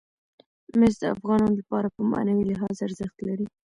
مس د افغانانو لپاره په معنوي لحاظ ارزښت لري.